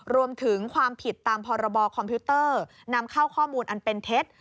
รวมถึงความผิดตามพรบคอมพิวเตอร์นำเข้าข้อมูลอันเป็นเท็จ